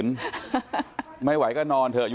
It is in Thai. ชัดเลยครับเป็นเต็ม